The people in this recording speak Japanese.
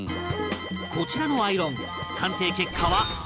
こちらのアイロン鑑定結果は５００円